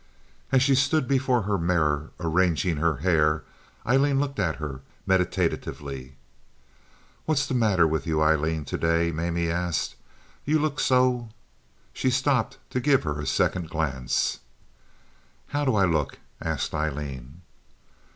As she stood before her mirror arranging her hair Aileen looked at her meditatively. "What's the matter with you, Aileen, to day?" Mamie asked. "You look so—" She stopped to give her a second glance. "How do I look?" asked Aileen.